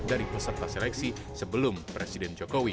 dari peserta seleksi sebelum presiden jokowi